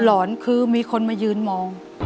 หอนคือมีคนมายืนมอง